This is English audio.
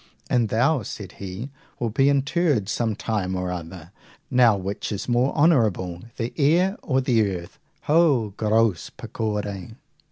And thou, said he, wilt be interred some time or other. Now which is most honourable, the air or the earth? Ho, grosse pecore!